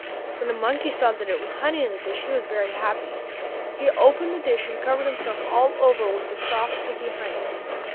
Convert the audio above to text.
When the monkey saw that it was honey in the dish he was very happy. He opened the dish and covered himself all over with the soft sticky honey.